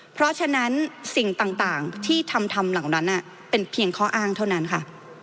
เพราะฉะนั้นสิ่งต่างที่ทำทำเหล่านั้นเป็นเพียงข้ออ้างเท่านั้นค่ะ